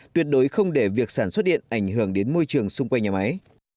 tuyệt đối không để việc sản xuất điện ảnh hưởng đến môi trường xung quanh nhà máy